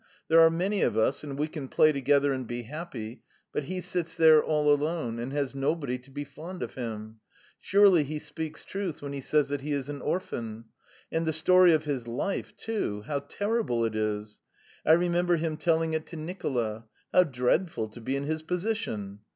There are many of us, and we can play together and be happy, but he sits there all alone, and has nobody to be fond of him. Surely he speaks truth when he says that he is an orphan. And the story of his life, too how terrible it is! I remember him telling it to Nicola. How dreadful to be in his position!"